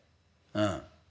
うん。